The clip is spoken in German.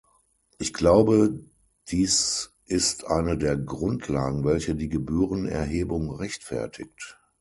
Ich glaube, dies ist eine der Grundlagen, welche die Gebührenerhebung rechtfertigt.